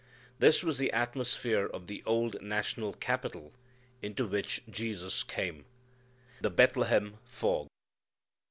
This was the atmosphere of the old national capital into which Jesus came. The Bethlehem Fog.